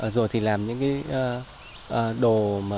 rồi thì làm những đồ